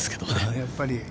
やっぱり。